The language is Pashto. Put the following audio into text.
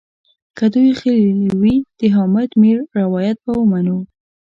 که دوی غلي وي د حامد میر روایت به منو.